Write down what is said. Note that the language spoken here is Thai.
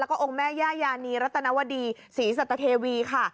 แล้วก็องค์แม่ย่ายานีรัตนวดีศรีสัตเทวีค่ะ